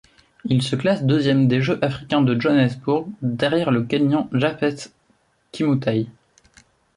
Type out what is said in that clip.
Il se classe deuxième des Jeux africains de Johannesburg, derrière le kényan Japheth Kimutai.